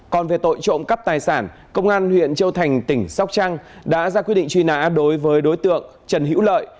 còn về tội trộm cắp tài sản công an huyện châu thành tỉnh sóc trăng đã ra quyết định truy nã đối với đối tượng trần hữu lợi